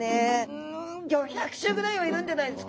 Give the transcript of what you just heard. うん５００種ぐらいはいるんじゃないですか？